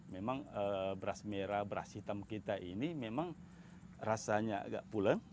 memang beras merah beras hitam kita ini memang rasanya agak puleng